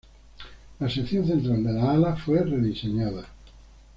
La sección central de las alas fue rediseñada.